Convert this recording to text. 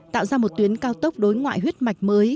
tạo ra một tuyến cao tốc đối ngoại huyết mạch mới